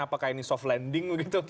apakah ini soft landing begitu